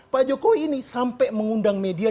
pak jokowi ini sampai mengundang media